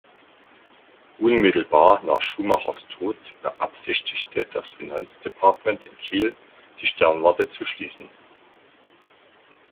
Unmittelbar nach Schumachers Tod beabsichtigte das Finanz-Departement in Kiel, die Sternwarte zu schließen.